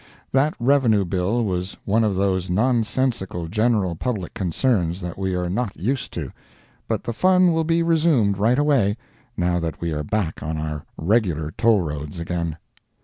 That Revenue bill was one of those nonsensical general public concerns that we are not used to; but the fun will be resumed right away, now that we are back on our regular toll roads again.